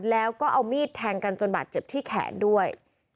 แล้วก็เอามีดแทงกันจนบาดเจ็บที่แขนด้วย